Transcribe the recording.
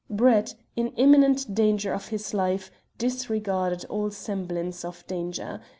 Brett, in imminent danger of his life, disregarded all semblance of danger.